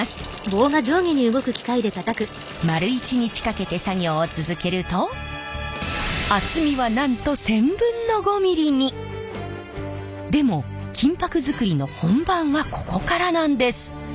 丸一日かけて作業を続けると厚みはなんと１０００分の５ミリに。でも金箔作りの本番はここからなんです！